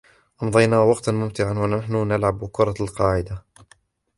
أمضينا وقتاً ممتعاً و نحن نلعب كرة القاعدة.